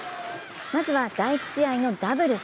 まずは第１試合のダブルス。